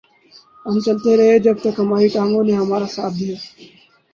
ہم چلتے رہے جب تک ہماری ٹانگوں نے ہمارا ساتھ دیا